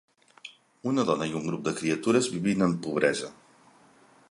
Una dona i un grup de criatures vivint en pobresa.